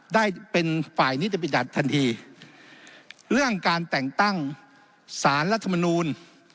ได้เป็นฝ่ายนิติบัญญัติทันทีเรื่องการแต่งตั้งสารรัฐมนูล